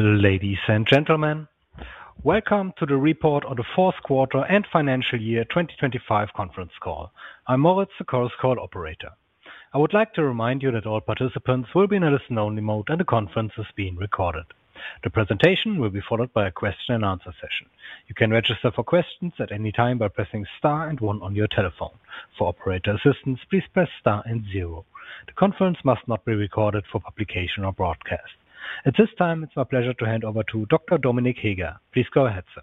Ladies and gentlemen, welcome to the Report on the Fourth Quarter and Financial Year 2025 Conference Call. I'm Moritz, the conference call operator. I would like to remind you that all participants will be in a listen-only mode, and the conference is being recorded. The presentation will be followed by a question-and-answer session. You can register for questions at any time by pressing star and one on your telephone. For operator assistance, please press star and zero. The conference must not be recorded for publication or broadcast. At this time, it's my pleasure to hand over to Dr. Dominik Heger. Please go ahead, sir.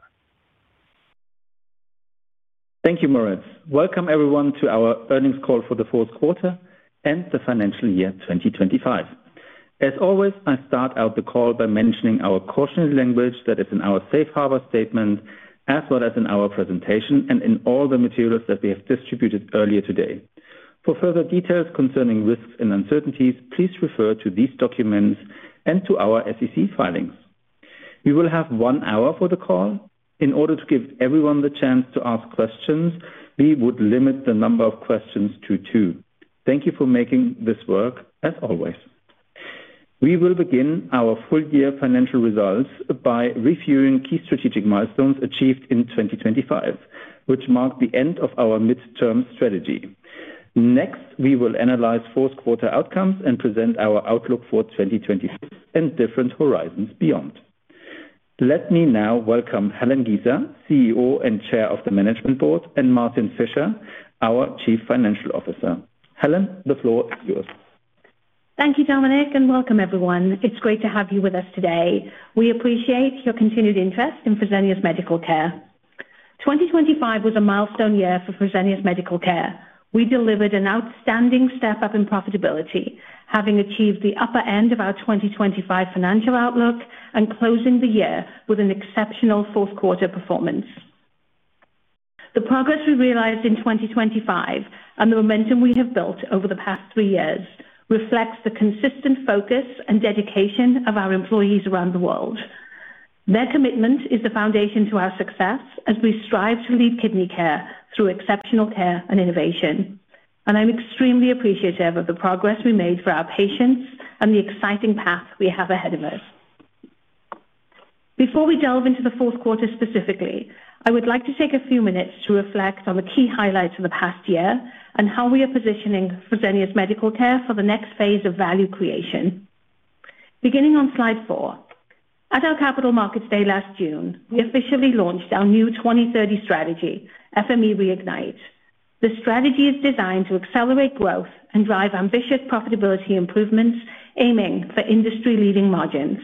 Thank you, Moritz. Welcome everyone, to our Earnings Call for the Fourth Quarter and the Financial Year 2025. As always, I start out the call by mentioning our cautionary language that is in our safe harbor statement, as well as in our presentation and in all the materials that we have distributed earlier today. For further details concerning risks and uncertainties, please refer to these documents and to our SEC filings. We will have one hour for the call. In order to give everyone the chance to ask questions, we would limit the number of questions to two. Thank you for making this work as always. We will begin our full year financial results by reviewing key strategic milestones achieved in 2025, which marked the end of our midterm strategy. We will analyze fourth quarter outcomes and present our outlook for 2025 and different horizons beyond. Let me now welcome Helen Giza, CEO and Chair of the Management Board, and Martin Fischer, our Chief Financial Officer. Helen, the floor is yours. Thank you, Dominik, and welcome, everyone. It's great to have you with us today. We appreciate your continued interest in Fresenius Medical Care. 2025 was a milestone year for Fresenius Medical Care. We delivered an outstanding step-up in profitability, having achieved the upper end of our 2025 financial outlook and closing the year with an exceptional fourth quarter performance. The progress we realized in 2025 and the momentum we have built over the past three years reflects the consistent focus and dedication of our employees around the world. Their commitment is the foundation to our success as we strive to lead kidney care through exceptional care and innovation. I'm extremely appreciative of the progress we made for our patients and the exciting path we have ahead of us. Before we delve into the fourth quarter specifically, I would like to take a few minutes to reflect on the key highlights of the past year and how we are positioning Fresenius Medical Care for the next phase of value creation. Beginning on slide four. At our Capital Markets Day last June, we officially launched our new 2030 strategy, FME Reignite. The strategy is designed to accelerate growth and drive ambitious profitability improvements, aiming for industry-leading margins.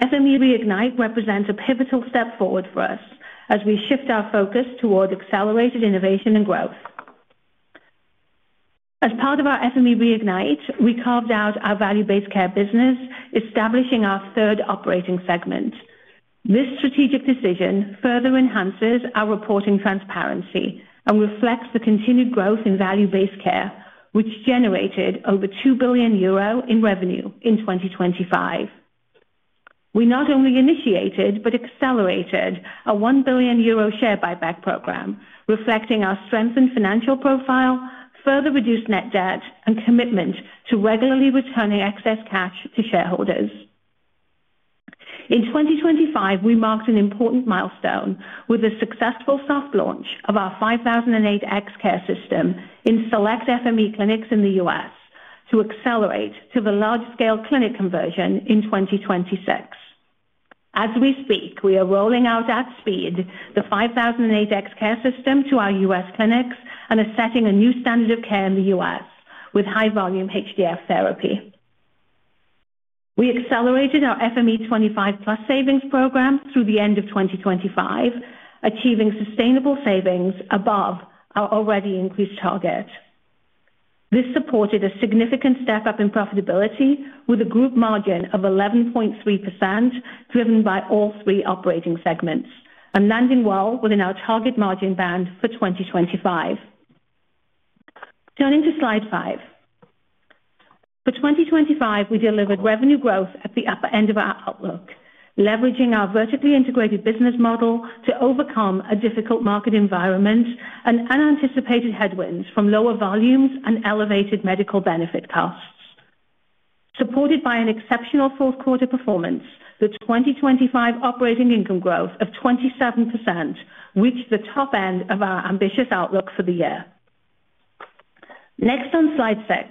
FME Reignite represents a pivotal step forward for us as we shift our focus toward accelerated innovation and growth. As part of the FME Reignite, we carved out our Value Based Care business, establishing our third operating segment. This strategic decision further enhances our reporting transparency and reflects the continued growth in Value Based Care, which generated over 2 billion euro in revenue in 2025. We not only initiated but accelerated a 1 billion euro share buyback program, reflecting our strengthened financial profile, further reduced net debt and commitment to regularly returning excess cash to shareholders. In 2025, we marked an important milestone with the successful soft launch of our 5008X CAREsystem in select FME clinics in the U.S. to accelerate to the large-scale clinic conversion in 2025. As we speak, we are rolling out at speed the 5008X CAREsystem to our U.S. clinics and are setting a new standard of care in the U.S. with high volume HDF therapy. We accelerated our FME25+ savings program through the end of 2025, achieving sustainable savings above our already increased target. This supported a significant step-up in profitability with a group margin of 11.3%, driven by all three operating segments and landing well within our target margin band for 2025. Turning to slide five. For 2025, we delivered revenue growth at the upper end of our outlook, leveraging our vertically integrated business model to overcome a difficult market environment and unanticipated headwinds from lower volumes and elevated medical benefit costs. Supported by an exceptional fourth quarter performance, the 2025 operating income growth of 27% reached the top end of our ambitious outlook for the year. Next, on slide six.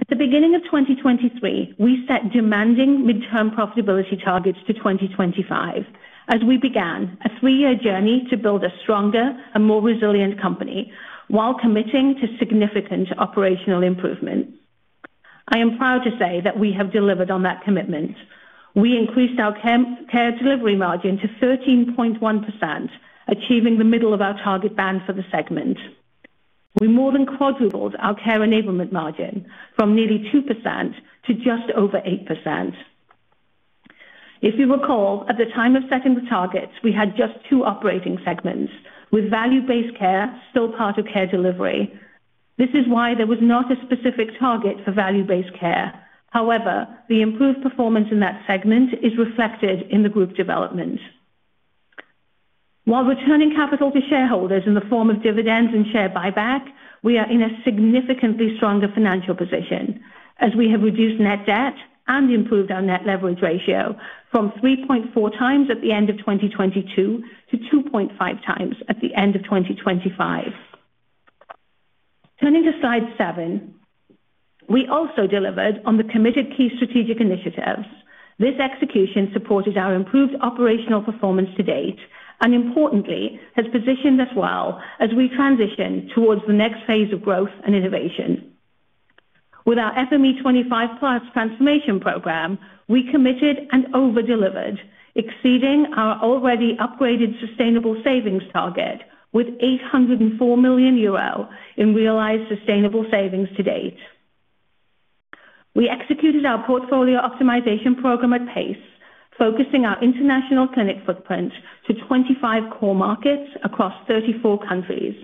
At the beginning of 2023, we set demanding midterm profitability targets to 2025 as we began a three-year journey to build a stronger and more resilient company while committing to significant operational improvements. I am proud to say that we have delivered on that commitment. We increased our Care Delivery margin to 13.1%, achieving the middle of our target band for the segment. We more than quadrupled our Care Enablement margin from nearly 2% to just over 8%. If you recall, at the time of setting the targets, we had just two operating segments, with Value Based Care still part of Care Delivery. This is why there was not a specific target for Value Based Care. However, the improved performance in that segment is reflected in the group development. While returning capital to shareholders in the form of dividends and share buyback, we are in a significantly stronger financial position as we have reduced net debt and improved our net leverage ratio from 3.4x at the end of 2022 to 2.5x at the end of 2025. Turning to slide seven, we also delivered on the committed key strategic initiatives. This execution supported our improved operational performance to date and importantly, has positioned us well as we transition towards the next phase of growth and innovation. With our FME25+ transformation program, we committed and over-delivered, exceeding our already upgraded sustainable savings target with 804 million euro in realized sustainable savings to date. We executed our portfolio optimization program at pace, focusing our international clinic footprint to 25 core markets across 34 countries,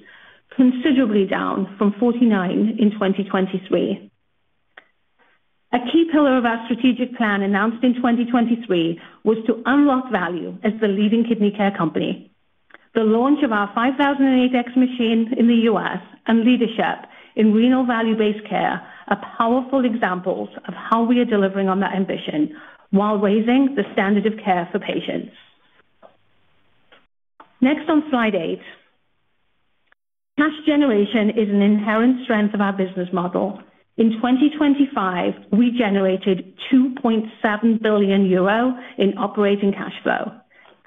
considerably down from 49 in 2023. A key pillar of our strategic plan, announced in 2023, was to unlock value as the leading kidney care company. The launch of our 5008X machine in the U.S. and leadership in Value Based Care are powerful examples of how we are delivering on that ambition while raising the standard of care for patients. Next, on slide eight. Cash generation is an inherent strength of our business model. In 2025, we generated 2.7 billion euro in operating cash flow,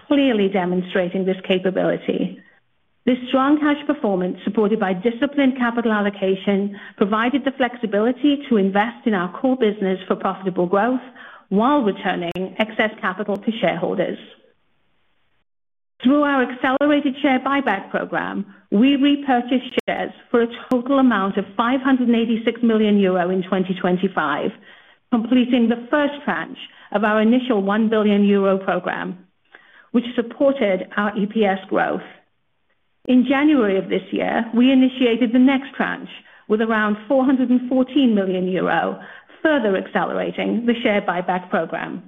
clearly demonstrating this capability. This strong cash performance, supported by disciplined capital allocation, provided the flexibility to invest in our core business for profitable growth while returning excess capital to shareholders. Through our accelerated share buyback program, we repurchased shares for a total amount of 586 million euro in 2025, completing the first tranche of our initial 1 billion euro program, which supported our EPS growth. In January of this year, we initiated the next tranche with around 414 million euro, further accelerating the share buyback program.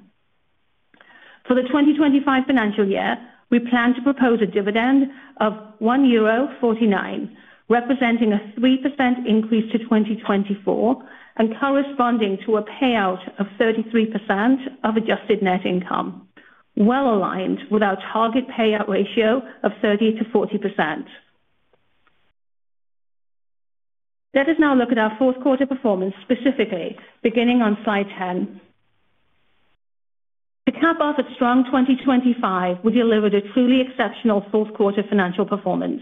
For the 2025 financial year, we plan to propose a dividend of 1.49 euro, representing a 3% increase to 2024 and corresponding to a payout of 33% of adjusted net income, well aligned with our target payout ratio of 30%-40%. Let us now look at our fourth quarter performance, specifically beginning on slide 10. To cap off a strong 2025, we delivered a truly exceptional fourth quarter financial performance.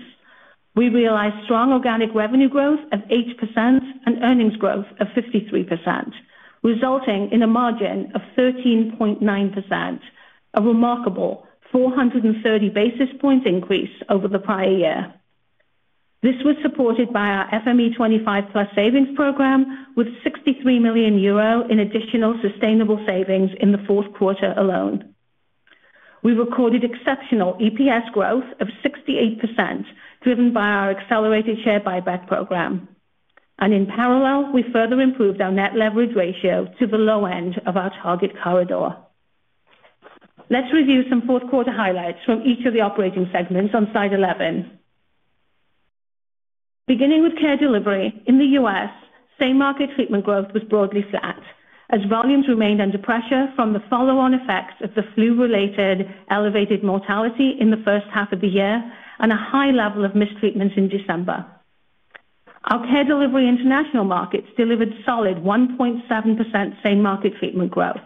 We realized strong organic revenue growth of 8% and earnings growth of 53%, resulting in a margin of 13.9%, a remarkable 430 basis points increase over the prior year. This was supported by our FME25+ savings program, with 63 million euro in additional sustainable savings in the fourth quarter alone. We recorded exceptional EPS growth of 68%, driven by our accelerated share buyback program, and in parallel, we further improved our net leverage ratio to the low end of our target corridor. Let's review some fourth quarter highlights from each of the operating segments on slide 11. Beginning with Care Delivery in the U.S., same-market treatment growth was broadly flat as volumes remained under pressure from the follow-on effects of the flu-related elevated mortality in the first half of the year and a high level of mistreatments in December. Our Care Delivery international markets delivered solid 1.7% same-market treatment growth.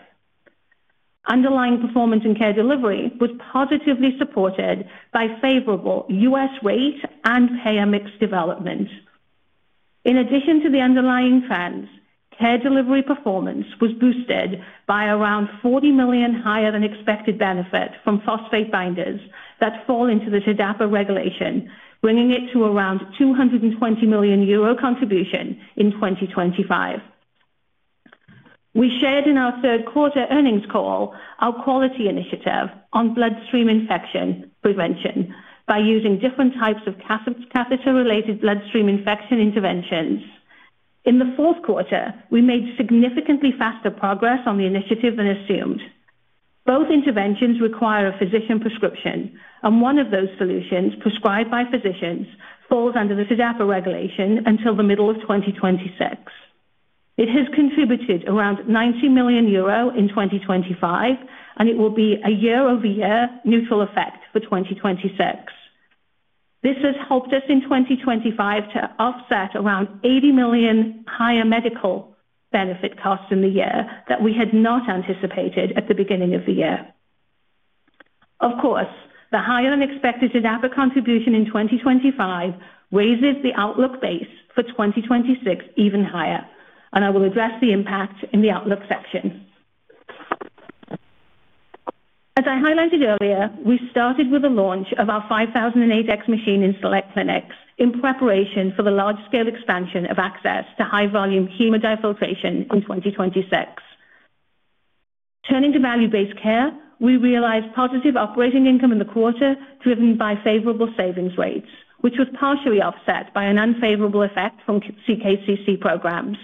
Underlying performance in Care Delivery was positively supported by favorable U.S. rate and payer mix development. In addition to the underlying trends, Care Delivery performance was boosted by around 40 million higher than expected benefit from phosphate binders that fall into the TDAPA regulation, bringing it to around EUR 220 million contribution in 2025. We shared in our third quarter earnings call our quality initiative on bloodstream infection prevention by using different types of catheter-related bloodstream infection interventions. In the fourth quarter, we made significantly faster progress on the initiative than assumed. Both interventions require a physician prescription, and one of those solutions, prescribed by physicians, falls under the TDAPA regulation until the middle of 2026. It has contributed around 90 million euro in 2025, and it will be a year-over-year neutral effect for 2026. This has helped us in 2025 to offset around 80 million higher medical benefit costs in the year that we had not anticipated at the beginning of the year. Of course, the higher-than-expected TDAPA contribution in 2025 raises the outlook base for 2026 even higher, and I will address the impact in the outlook section. As I highlighted earlier, we started with the launch of our 5008X machine in select clinics in preparation for the large-scale expansion of access to high-volume hemofiltration in 2026. Turning to Value Based Care, we realized positive operating income in the quarter, driven by favorable savings rates, which was partially offset by an unfavorable effect from CKCC programs.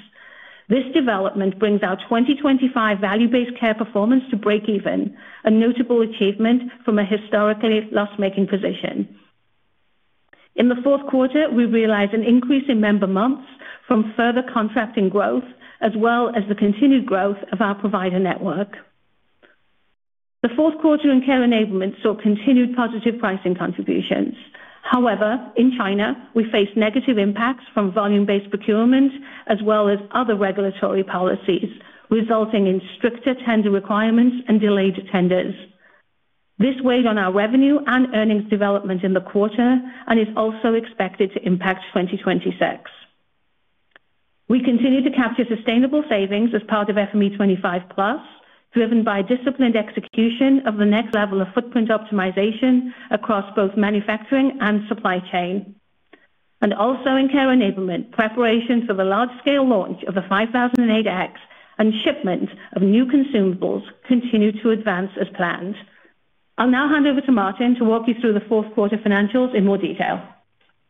This development brings our 2025 Value Based Care performance to break even, a notable achievement from a historically loss-making position. In the fourth quarter, we realized an increase in member months from further contracting growth, as well as the continued growth of our provider network. The fourth quarter in Care Enablement saw continued positive pricing contributions. In China, we faced negative impacts from volume-based procurement as well as other regulatory policies, resulting in stricter tender requirements and delayed tenders. This weighed on our revenue and earnings development in the quarter and is also expected to impact 2026. We continue to capture sustainable savings as part of FME25+, driven by disciplined execution of the next level of footprint optimization across both manufacturing and supply chain. Also in Care Enablement, preparation for the large-scale launch of the 5008X and shipment of new consumables continue to advance as planned. I'll now hand over to Martin to walk you through the fourth quarter financials in more detail.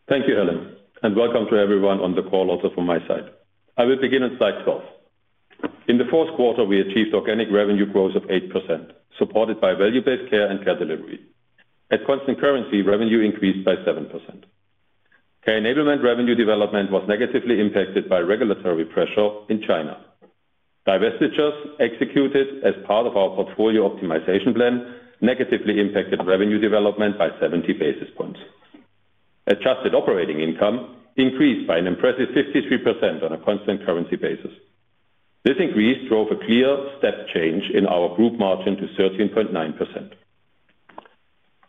Thank you, Helen, and welcome to everyone on the call, also from my side. I will begin on slide 12. In the fourth quarter, we achieved organic revenue growth of 8%, supported by Value Based Care and Care Delivery. At constant currency, revenue increased by 7%. Care Enablement revenue development was negatively impacted by regulatory pressure in China. Divestitures executed as part of our portfolio optimization plan negatively impacted revenue development by 70 basis points. Adjusted operating income increased by an impressive 53% on a constant currency basis. This increase drove a clear step change in our group margin to 13.9%.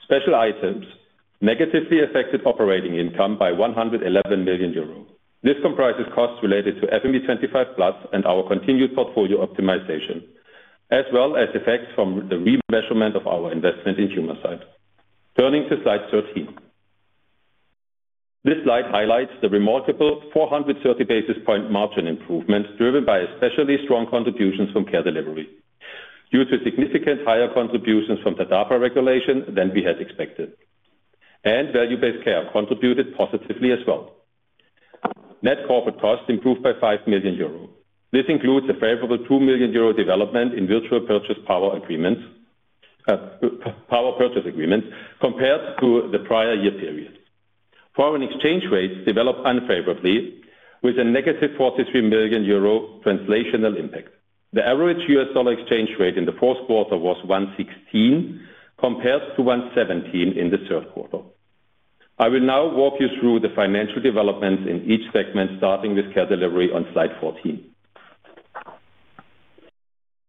Special items negatively affected operating income by 111 million euros. This comprises costs related to FME25+ and our continued portfolio optimization, as well as effects from the remeasurement of our investment in Humacyte. Turning to slide 13. This slide highlights the remarkable 430 basis point margin improvement, driven by especially strong contributions from Care Delivery, due to significant higher contributions from the TDAPA regulation than we had expected. Value Based Care contributed positively as well. Net corporate costs improved by 5 million euro. This includes a favorable 2 million euro development in Virtual Purchase Power Agreements, Power Purchase Agreements compared to the prior year period. Foreign exchange rates developed unfavorably with a negative 43 million euro translational impact. The average U.S. dollar exchange rate in the fourth quarter was 1.16, compared to 1.17 in the third quarter. I will now walk you through the financial developments in each segment, starting with Care Delivery on slide 14.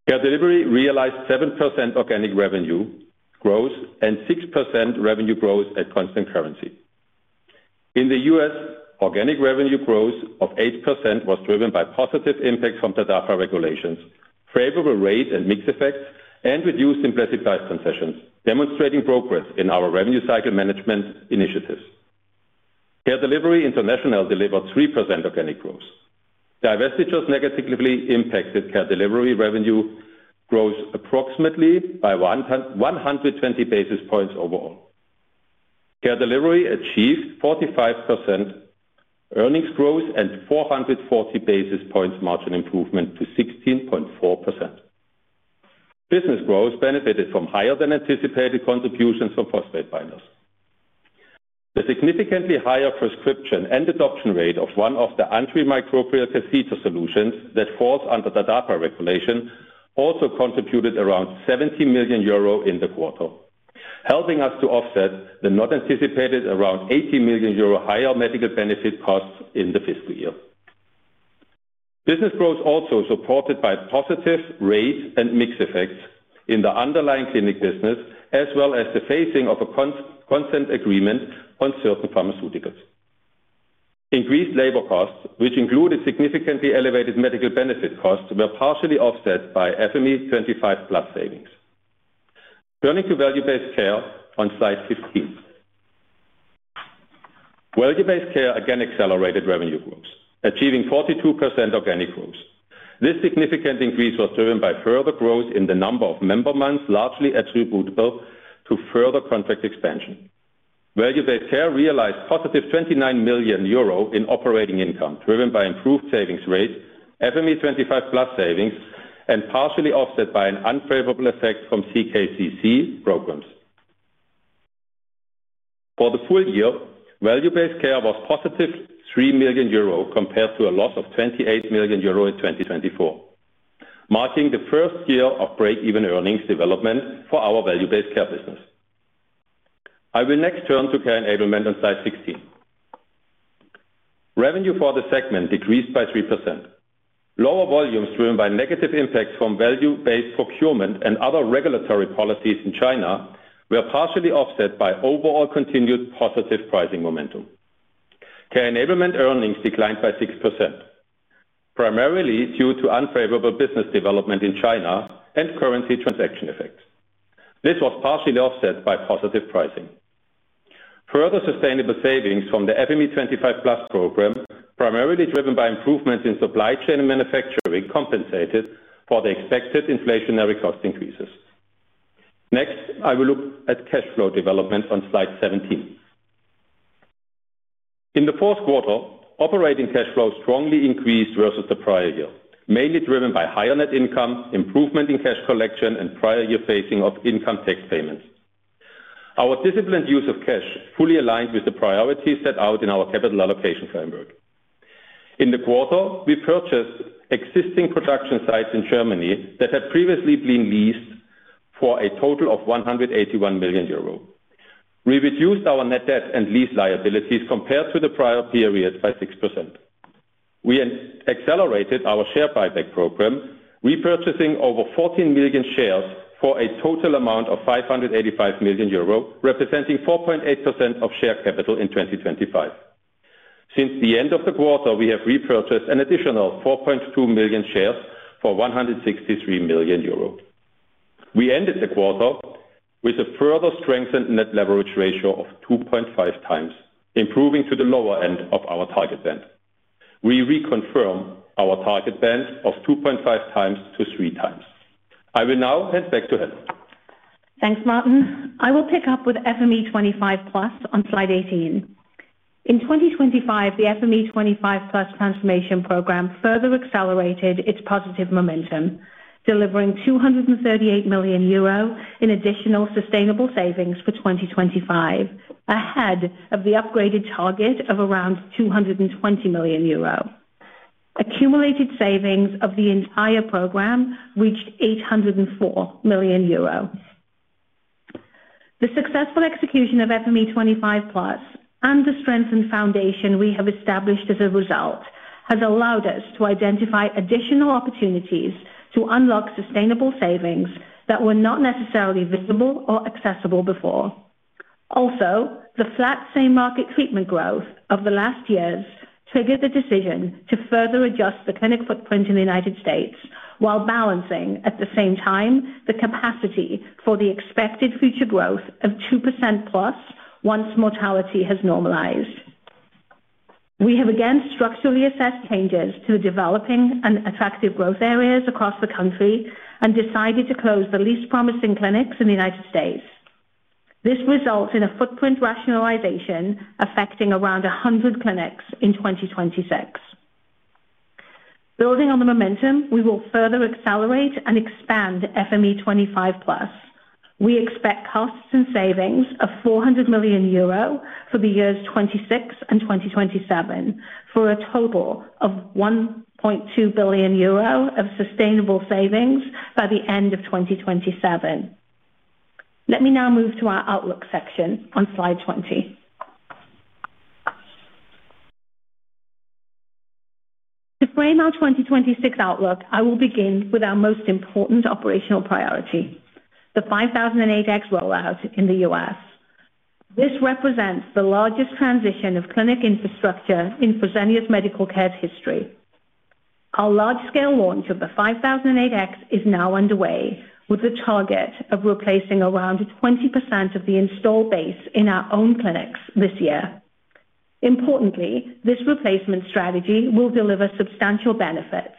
Care Delivery realized 7% organic revenue growth and 6% revenue growth at constant currency. In the U.S., organic revenue growth of 8% was driven by positive impacts from the TDAPA regulations, favorable rate and mix effects, and reduced implicit price concessions, demonstrating progress in our revenue cycle management initiatives. Care Delivery International delivered 3% organic growth. Divestitures negatively impacted Care Delivery revenue growth approximately by 120 basis points overall. Care Delivery achieved 45% earnings growth and 440 basis points margin improvement to 16.4%. Business growth benefited from higher than anticipated contributions from phosphate binders. The significantly higher prescription and adoption rate of one of the antimicrobial catheter solutions that falls under the TDAPA regulation also contributed around 70 million euro in the quarter, helping us to offset the not anticipated around 80 million euro higher medical benefit costs in the fiscal year. Business growth also supported by positive rates and mix effects in the underlying clinic business, as well as the phasing of a consent agreement on certain pharmaceuticals. Increased labor costs, which included significantly elevated medical benefit costs, were partially offset by FME25+ savings. Turning to Value Based Care on slide 15. Value Based Care again accelerated revenue growth, achieving 42% organic growth. This significant increase was driven by further growth in the number of member months, largely attributable to further contract expansion. Value Based Care realized positive 29 million euro in operating income, driven by improved savings rates, FME25+ savings, and partially offset by an unfavorable effect from CKCC programs. For the full year, Value Based Care was positive 3 million euro, compared to a loss of 28 million euro in 2024, marking the first year of break-even earnings development for our Value Based Care business. I will next turn to Care Enablement on slide 16. Revenue for the segment decreased by 3%. Lower volumes, driven by negative impacts from value-based procurement and other regulatory policies in China, were partially offset by overall continued positive pricing momentum. Care Enablement earnings declined by 6%, primarily due to unfavorable business development in China and currency transaction effects. This was partially offset by positive pricing. Further sustainable savings from the FME25+ program, primarily driven by improvements in supply chain and manufacturing, compensated for the expected inflationary cost increases. Next, I will look at cash flow development on slide 17. In the fourth quarter, operating cash flow strongly increased versus the prior year, mainly driven by higher net income, improvement in cash collection, and prior year phasing of income tax payments. Our disciplined use of cash fully aligned with the priorities set out in our capital allocation framework. In the quarter, we purchased existing production sites in Germany that had previously been leased for a total of 181 million euro. We reduced our net debt and lease liabilities compared to the prior periods by 6%. We accelerated our share buyback program, repurchasing over 14 million shares for a total amount of 585 million euro, representing 4.8% of share capital in 2025. Since the end of the quarter, we have repurchased an additional 4.2 million shares for 163 million euros. We ended the quarter with a further strengthened net leverage ratio of 2.5x, improving to the lower end of our target band. We reconfirm our target band of 2.5x-3x. I will now hand back to Helen. Thanks, Martin. I will pick up with FME25+ on slide 18. In 2025, the FME25+ transformation program further accelerated its positive momentum, delivering 238 million euro in additional sustainable savings for 2025, ahead of the upgraded target of around 220 million euro. Accumulated savings of the entire program reached 804 million euro. The successful execution of FME25+ and the strengthened foundation we have established as a result, has allowed us to identify additional opportunities to unlock sustainable savings that were not necessarily visible or accessible before. The flat same-market treatment growth of the last years triggered the decision to further adjust the clinic footprint in the United States, while balancing at the same time the capacity for the expected future growth of 2% plus once mortality has normalized. We have again structurally assessed changes to the developing and attractive growth areas across the country and decided to close the least promising clinics in the United States. This results in a footprint rationalization affecting around 100 clinics in 2026. Building on the momentum, we will further accelerate and expand FME25+. We expect costs and savings of 400 million euro for the years 2026 and 2027, for a total of 1.2 billion euro of sustainable savings by the end of 2027. Let me now move to our outlook section on slide 20. To frame our 2026 outlook, I will begin with our most important operational priority, the 5008X rollout in the U.S. This represents the largest transition of clinic infrastructure in Fresenius Medical Care's history. Our large-scale launch of the 5008X is now underway, with a target of replacing around 20% of the installed base in our own clinics this year. Importantly, this replacement strategy will deliver substantial benefits,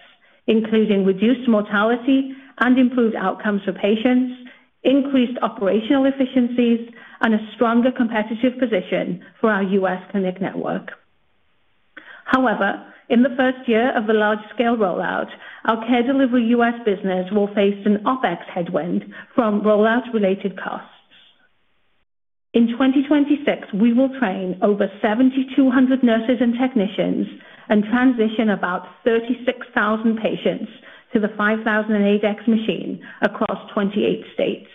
including reduced mortality and improved outcomes for patients, increased operational efficiencies, and a stronger competitive position for our U.S. clinic network. However, in the first year of the large-scale rollout, our Care Delivery U.S. business will face an OpEx headwind from rollout-related costs. In 2026, we will train over 7,200 nurses and technicians and transition about 36,000 patients to the 5008X machine across 28 states.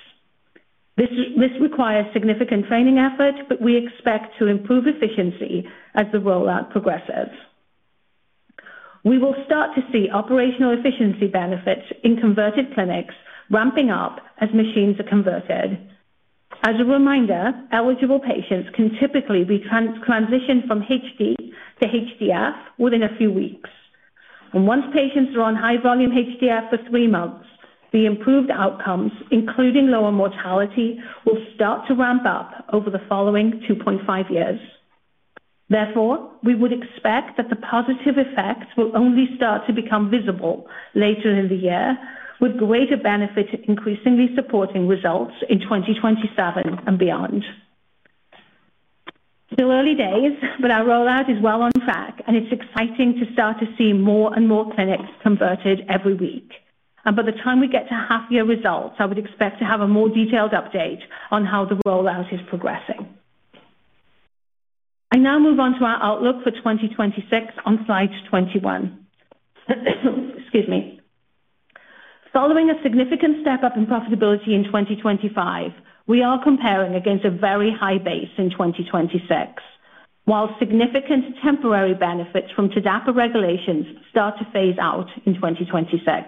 This requires significant training effort, but we expect to improve efficiency as the rollout progresses. We will start to see operational efficiency benefits in converted clinics ramping up as machines are converted. As a reminder, eligible patients can typically be transitioned from HD to HDF within a few weeks. Once patients are on high volume HDF for three months, the improved outcomes, including lower mortality, will start to ramp up over the following 2.5 years. We would expect that the positive effects will only start to become visible later in the year, with greater benefit increasingly supporting results in 2027 and beyond. Still early days, our rollout is well on track, it's exciting to start to see more and more clinics converted every week. By the time we get to half-year results, I would expect to have a more detailed update on how the rollout is progressing. I now move on to our outlook for 2026 on slide 21. Excuse me. Following a significant step-up in profitability in 2025, we are comparing against a very high base in 2026, while significant temporary benefits from TDAPA regulations start to phase out in 2026.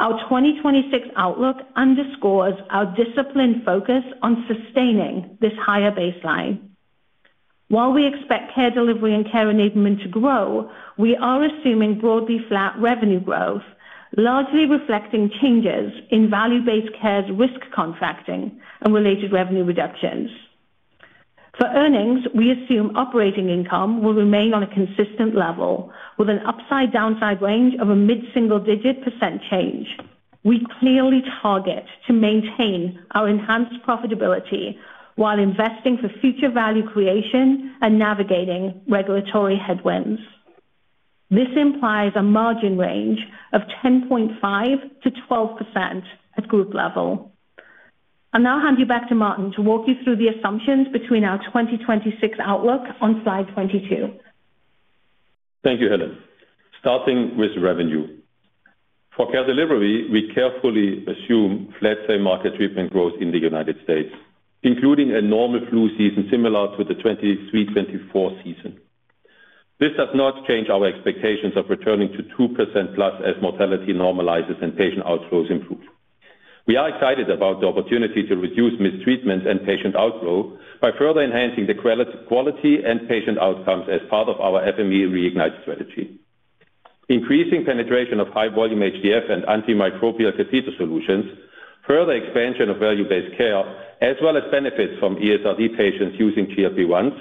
Our 2026 outlook underscores our disciplined focus on sustaining this higher baseline. While we expect Care Delivery and Care Enablement to grow, we are assuming broadly flat revenue growth, largely reflecting changes in Value Based Care's risk contracting and related revenue reductions. For earnings, we assume operating income will remain on a consistent level, with an upside/downside range of a mid-single digit % change. We clearly target to maintain our enhanced profitability while investing for future value creation and navigating regulatory headwinds. This implies a margin range of 10.5%-12% at group level. I'll now hand you back to Martin to walk you through the assumptions between our 2026 outlook on slide 22. Thank you, Helen. Starting with revenue. For Care Delivery, we carefully assume flat same-market treatment growth in the United States, including a normal flu season similar to the 23, 24 season. This does not change our expectations of returning to 2%+ as mortality normalizes and patient outflows improve. We are excited about the opportunity to reduce mistreatments and patient outflow by further enhancing the quality and patient outcomes as part of our FME Reignite strategy. Increasing penetration of high-volume HDF and antimicrobial catheter solutions, further expansion of Value Based Care, as well as benefits from ESRD patients using GLP-1s,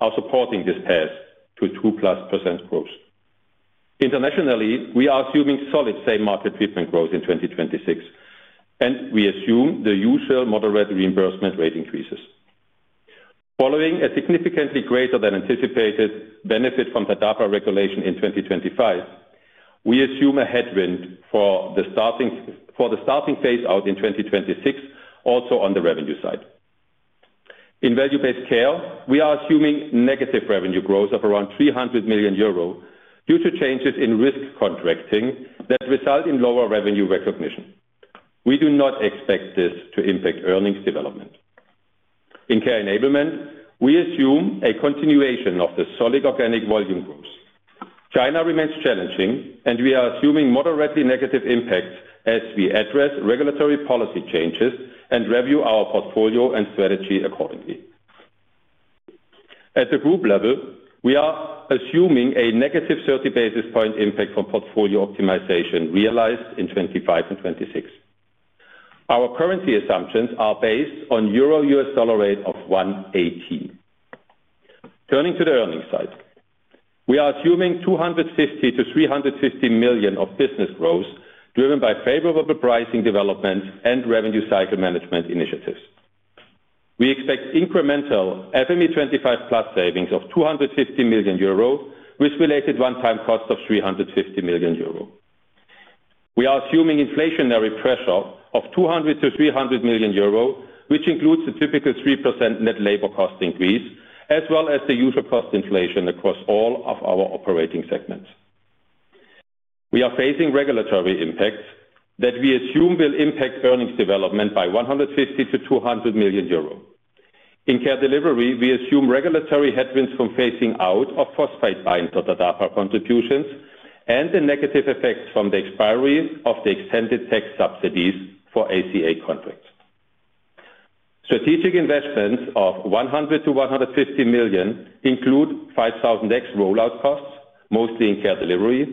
are supporting this path to 2%+ growth. Internationally, we are assuming solid same-market treatment growth in 2026. We assume the usual moderate reimbursement rate increases. Following a significantly greater than anticipated benefit from the TDAPA regulation in 2025, we assume a headwind for the starting phase out in 2026, also on the revenue side. In Value Based Care, we are assuming negative revenue growth of around 300 million euro due to changes in risk contracting that result in lower revenue recognition. We do not expect this to impact earnings development. In Care Enablement, we assume a continuation of the solid organic volume growth. China remains challenging, we are assuming moderately negative impacts as we address regulatory policy changes and review our portfolio and strategy accordingly. At the group level, we are assuming a negative 30 basis point impact from portfolio optimization realized in 2025 and 2026. Our currency assumptions are based on Euro-US dollar rate of 1.18. Turning to the earnings side. We are assuming 250 million-350 million of business growth, driven by favorable pricing developments and revenue cycle management initiatives. We expect incremental FME25+ savings of 250 million euro, with related one-time cost of 350 million euro. We are assuming inflationary pressure of 200 million-300 million euro, which includes a typical 3% net labor cost increase, as well as the user cost inflation across all of our operating segments. We are facing regulatory impacts that we assume will impact earnings development by 150 million-200 million euro. In Care Delivery, we assume regulatory headwinds from phasing out of phosphate binders or TDAPA contributions and the negative effects from the expiry of the extended tax subsidies for ACA contracts. Strategic investments of 100 million-150 million include 5008X rollout costs, mostly in Care Delivery,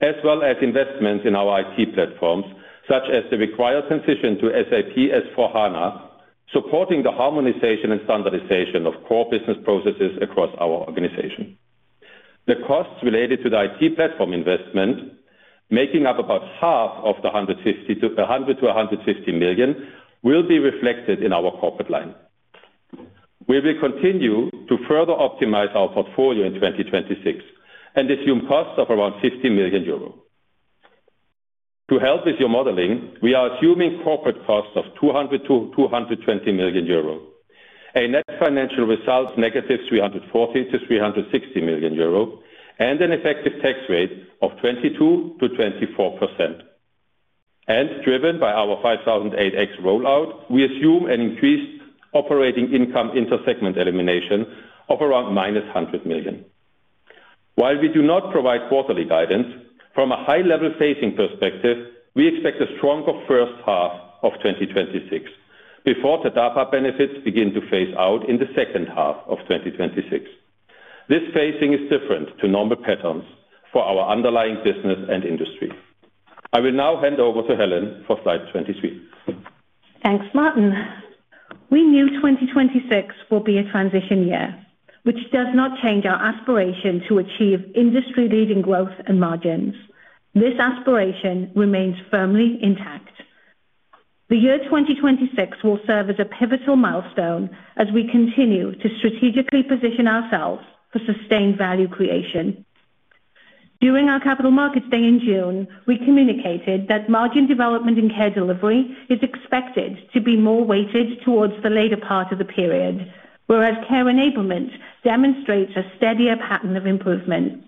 as well as investments in our IT platforms, such as the required transition to SAP S/4HANA, supporting the harmonization and standardization of core business processes across our organization. The costs related to the IT platform investment, making up about half of the 100 million-150 million, will be reflected in our corporate line. We will continue to further optimize our portfolio in 2026 and assume costs of around 50 million euros. To help with your modeling, we are assuming corporate costs of 200 million-220 million euros, a net financial result negative 340 million-360 million euros, and an effective tax rate of 22%-24%. Driven by our 5008X rollout, we assume an increased operating income intersegment elimination of around minus 100 million. While we do not provide quarterly guidance, from a high-level phasing perspective, we expect a stronger first half of 2026 before the TDAPA benefits begin to phase out in the second half of 2026. This phasing is different to normal patterns for our underlying business and industry. I will now hand over to Helen for slide 23. Thanks, Martin. We knew 2026 will be a transition year, which does not change our aspiration to achieve industry-leading growth and margins. This aspiration remains firmly intact. The year 2026 will serve as a pivotal milestone as we continue to strategically position ourselves for sustained value creation. During our Capital Markets Day in June, we communicated that margin development in Care Delivery is expected to be more weighted towards the later part of the period, whereas Care Enablement demonstrates a steadier pattern of improvement.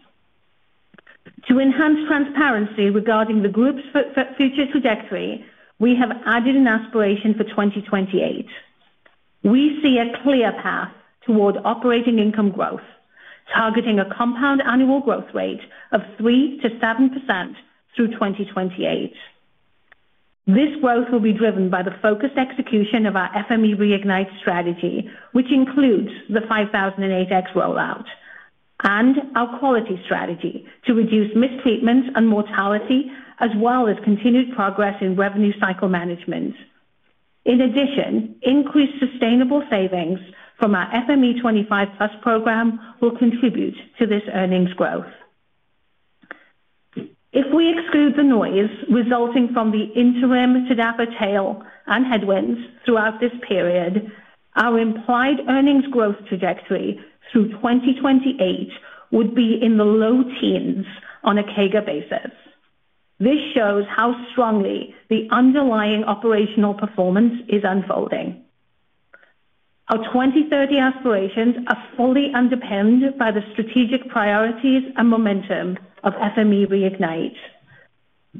To enhance transparency regarding the group's future trajectory, we have added an aspiration for 2028. We see a clear path toward operating income growth, targeting a compound annual growth rate of 3%-7% through 2028. This growth will be driven by the focused execution of our FME Reignite strategy, which includes the 5008X rollout and our quality strategy to reduce mistreatments and mortality, as well as continued progress in revenue cycle management. In addition, increased sustainable savings from our FME25+ program will contribute to this earnings growth. If we exclude the noise resulting from the interim TDAPA tail and headwinds throughout this period, our implied earnings growth trajectory through 2028 would be in the low teens on a CAGR basis. This shows how strongly the underlying operational performance is unfolding. Our 2030 aspirations are fully underpinned by the strategic priorities and momentum of FME Reignite.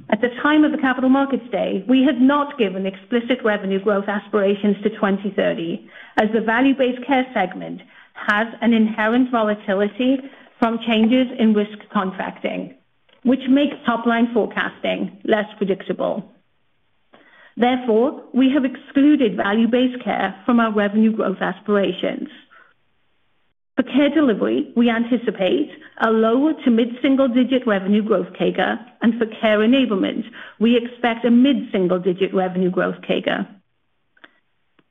At the time of the Capital Markets Day, we had not given explicit revenue growth aspirations to 2030, as the Value Based Care segment has an inherent volatility from changes in risk contracting, which makes top-line forecasting less predictable. We have excluded Value Based Care from our revenue growth aspirations. For Care Delivery, we anticipate a lower to mid-single-digit revenue growth CAGR, and for Care Enablement, we expect a mid-single-digit revenue growth CAGR.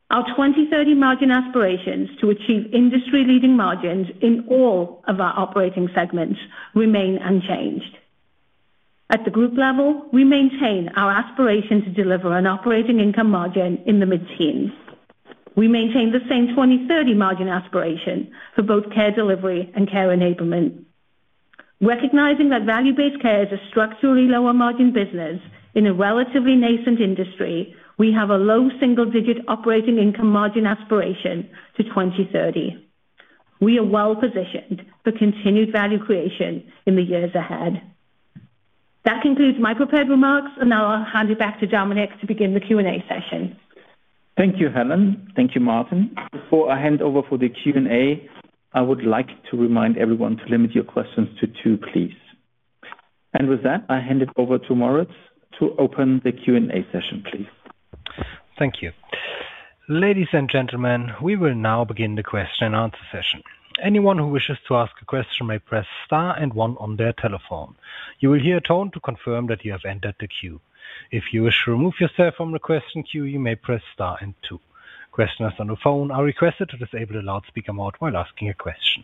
Our 2030 margin aspirations to achieve industry-leading margins in all of our operating segments remain unchanged. At the group level, we maintain our aspiration to deliver an operating income margin in the mid-teens. We maintain the same 2030 margin aspiration for both Care Delivery and Care Enablement. Recognizing that Value Based Care is a structurally lower margin business in a relatively nascent industry, we have a low single-digit operating income margin aspiration to 2030. We are well positioned for continued value creation in the years ahead. That concludes my prepared remarks, and now I'll hand it back to Dominik to begin the Q&A session. Thank you, Helen. Thank you, Martin. Before I hand over for the Q&A, I would like to remind everyone to limit your questions to two, please. With that, I hand it over to Moritz to open the Q&A session, please. Thank you. Ladies and gentlemen, We will now begin the Q&A session. Anyone who wishes to ask a question may press star and one on their telephone. You will hear a tone to confirm that you have entered the queue. If you wish to remove yourself from the question queue, you may press star and two. Questioners on the phone are requested to disable the loudspeaker mode while asking a question.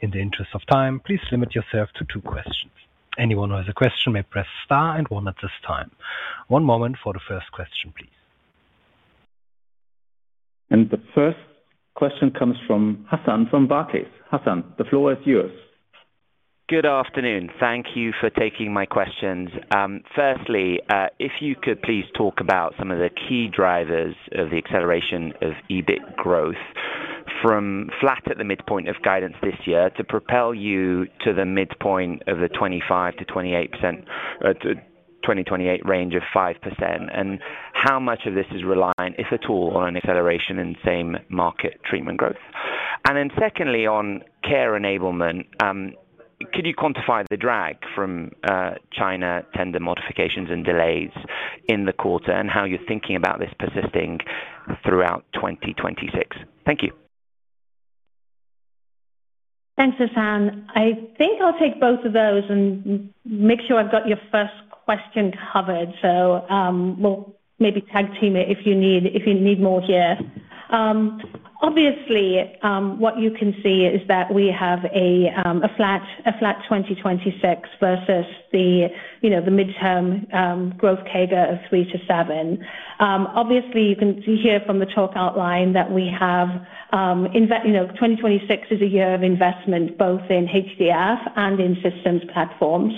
In the interest of time, please limit yourself to two questions. Anyone who has a question may press star and one at this time. One moment for the first question, please. The first question comes from Hassan, from Barclays. Hassan, the floor is yours. Good afternoon. Thank you for taking my questions. Firstly, if you could please talk about some of the key drivers of the acceleration of EBIT growth from flat at the midpoint of guidance this year to propel you to the midpoint of the 25%-28%, 2028 range of 5%, and how much of this is reliant, if at all, on an acceleration in the same-market treatment growth? Secondly, on Care Enablement, could you quantify the drag from China tender modifications and delays in the quarter and how you're thinking about this persisting throughout 2026? Thank you. Thanks, Hassan. I think I'll take both of those and make sure I've got your first question covered. We'll maybe tag team it if you need more here. Obviously, what you can see is that we have a flat 2026 versus the, you know, the midterm growth CAGR of 3%-7%. Obviously, you can see here from the talk outline that we have, you know, 2026 is a year of investment, both in HDF and in systems platforms.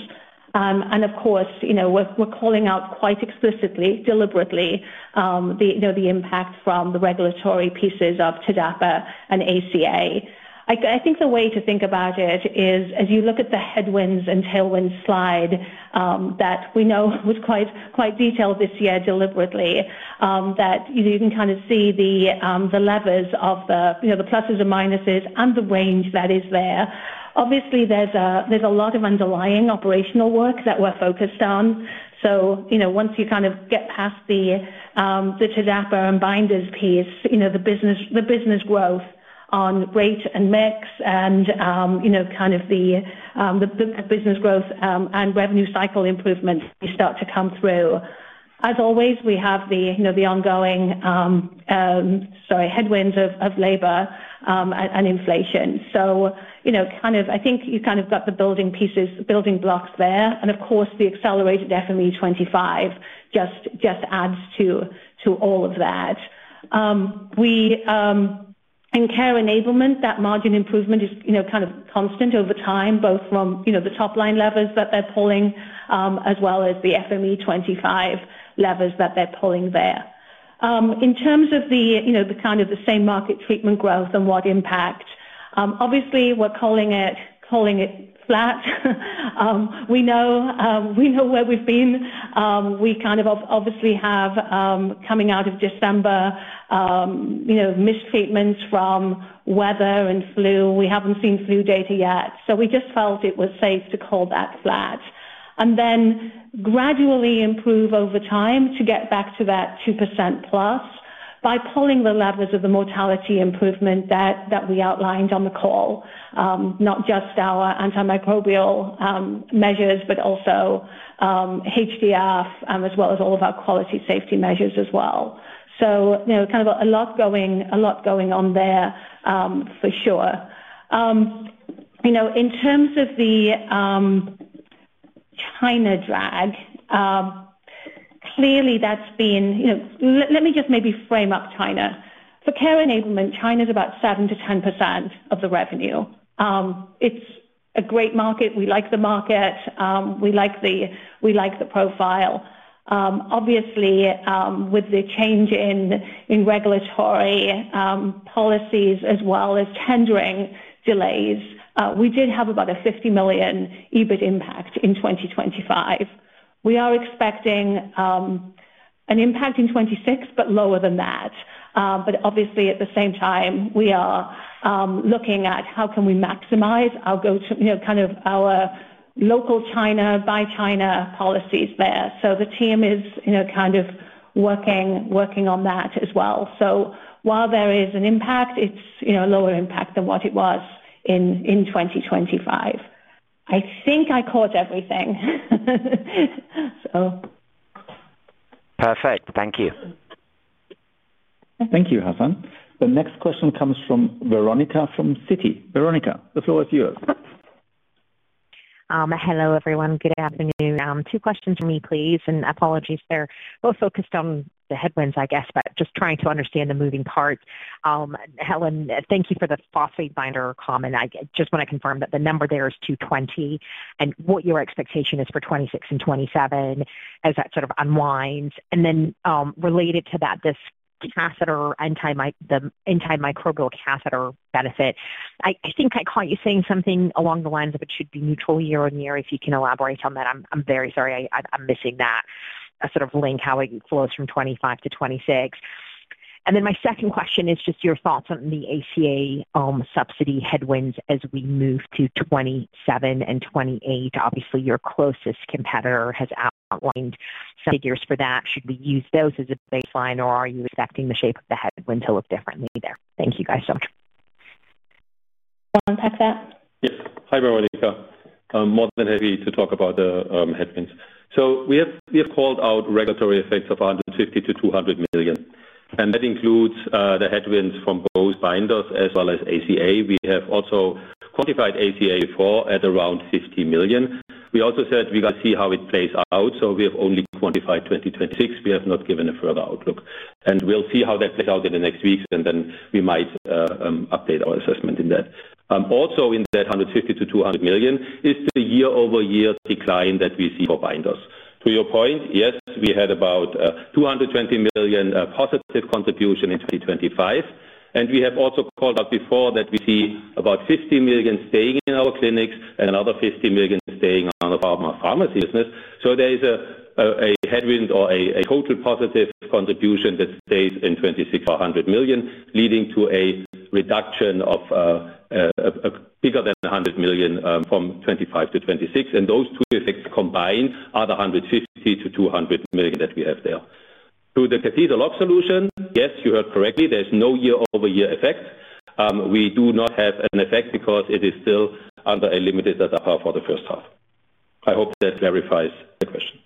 Of course, you know, we're calling out quite explicitly, deliberately, the, you know, the impact from the regulatory pieces of TDAPA and ACA. I think the way to think about it is as you look at the headwinds and tailwinds slide, that we know was quite detailed this year, deliberately, that you can kind of see the levers of the, you know, the pluses and minuses and the range that is there. Obviously, there's a lot of underlying operational work that we're focused on. You know, once you kind of get past the TDAPA and binders piece, you know, the business growth on rate and mix and, you know, kind of the business growth and revenue cycle improvements start to come through. As always, we have the, you know, the ongoing, sorry, headwinds of labor and inflation. You know, kind of I think you kind of got the building pieces, building blocks there, and of course, the accelerated FME25 just adds to all of that. We in Care Enablement, that margin improvement is, you know, kind of constant over time, both from, you know, the top-line levers that they're pulling, as well as the FME25 levers that they're pulling there. In terms of the, you know, the kind of the same-market treatment growth and what impact, obviously we're calling it flat. We know, we know where we've been. We kind of obviously have coming out of December, you know, mistreatments from weather and flu. We haven't seen flu data yet, so we just felt it was safe to call that flat. Gradually improve over time to get back to that 2%+ by pulling the levers of the mortality improvement that we outlined on the call, not just our antimicrobial measures, but also HDF, as well as all of our quality safety measures as well. You know, kind of a lot going on there for sure. You know, in terms of the China drag, clearly that's been, you know, let me just maybe frame up China. For Care Enablement, China's about 7%-10% of the revenue. It's a great market. We like the market, we like the profile. Obviously, with the change in regulatory policies as well as tendering delays, we did have about a 50 million EBIT impact in 2025. We are expecting an impact in 2026, but lower than that. Obviously, at the same time, we are looking at how can we maximize our go-to, you know, kind of our local China by China policies there. The team is, you know, kind of working on that as well. While there is an impact, it's, you know, a lower impact than what it was in 2025. I think I caught everything. Perfect. Thank you. Thank you, Hassan. The next question comes from Veronica, from Citi. Veronica, the floor is yours. Hello, everyone. Good afternoon. Two questions from me, please, and apologies they're both focused on the headwinds, I guess, but just trying to understand the moving parts. Helen, thank you for the phosphate binder comment. I just want to confirm that the number there is 220, and what your expectation is for 2026 and 2027 as that sort of unwinds. Related to that, this antimicrobial catheter, the antimicrobial catheter benefit. I think I caught you saying something along the lines of it should be neutral year-on-year. If you can elaborate on that, I'm very sorry I'm missing that, a sort of link how it flows from 2025 to 2026. My second question is just your thoughts on the ACA subsidy headwinds as we move to 2027 and 2028. Obviously, your closest competitor has outlined some figures for that. Should we use those as a baseline, or are you expecting the shape of the headwind to look differently there? Thank you, guys, so much. Want to take that? Yes. Hi, Veronica. I'm more than happy to talk about the headwinds. We have called out regulatory effects of 150 million-200 million, and that includes the headwinds from both binders as well as ACA. We have also quantified ACA for at around 50 million. We also said we will see how it plays out, we have only quantified 2026. We have not given a further outlook, we'll see how that plays out in the next weeks, we might update our assessment in that. Also in that 150 million-200 million is the year-over-year decline that we see for binders. To your point, yes, we had about 220 million positive contribution in 2025, and we have also called out before that we see about 50 million staying in our clinics and another 50 million staying on our pharmacy business. There is a headwind or a total positive contribution that stays in 2026, 100 million, leading to a reduction of a bigger than 100 million from 2025 to 2026. Those two effects combined are the 150 million-200 million that we have there. To the catheter lock solution, yes, you heard correctly, there's no year-over-year effect. We do not have an effect because it is still under a limited data for the first half. I hope that verifies the question.